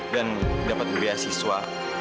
dan dapat beasiswa